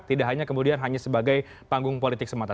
tidak hanya kemudian hanya sebagai panggung politik semata